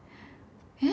えっ？